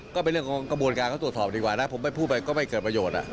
ก็เป็นเรื่องของกระบวนการเขาตรวจสอบดีกว่านะผมไปพูดไปก็ไม่เกิดประโยชน์